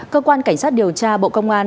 cơ quan cảnh sát điều tra bộ công an